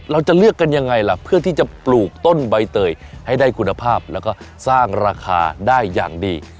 เราจะเลือกกันยังไงล่ะเพื่อที่จะปลูกต้นใบเตยให้ได้คุณภาพแล้วก็สร้างราคาได้อย่างดี